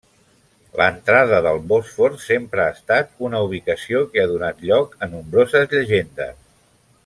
L'entrada del Bòsfor sempre ha estat una ubicació que ha donat lloc a nombroses llegendes.